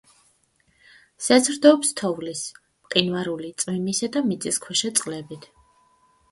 საზრდოობს თოვლის, მყინვარული, წვიმისა და მიწისქვეშა წყლებით.